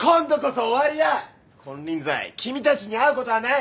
金輪際君たちに会うことはない！